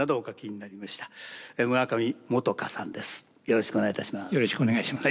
よろしくお願いします。